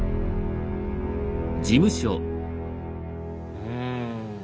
うん。